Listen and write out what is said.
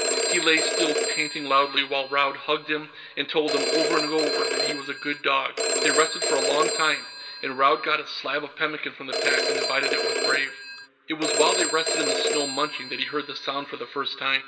He lay still, panting proudly, while Raud hugged him and told him, over and over, that he was a good dog. They rested for a long time, and Raud got a slab of pemmican from the pack and divided it with Brave. It was while they rested in the snow, munching, that he heard the sound for the first time.